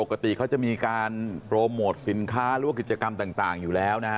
ปกติเขาจะมีการโปรโมทสินค้าหรือว่ากิจกรรมต่างอยู่แล้วนะฮะ